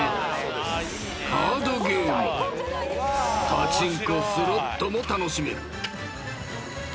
［パチンコスロットも楽しめる］